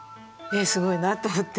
すごいなと思って。